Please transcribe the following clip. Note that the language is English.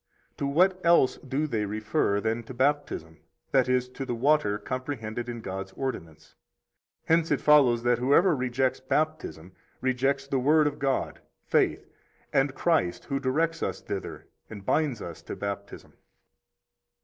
To what else do they refer than to Baptism, that is, to the water comprehended in God's ordinance? Hence it follows that whoever rejects Baptism rejects the Word of God, faith, and Christ, who directs us thither and binds us to Baptism.